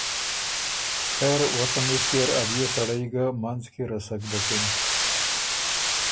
خېر وه تمِݭکيې ر ا بئے سړئ ګه منځ کی رسک بُکِن،